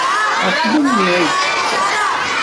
Ɣef memmi ay d-seqqsan.